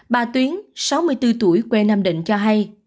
bà tuyến sáu mươi bốn tuổi quê nam định cho hay